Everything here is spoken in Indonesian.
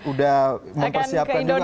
udah mempersiapkan juga mungkin